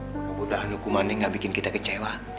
mudah mudahan hukuman ini gak bikin kita kecewa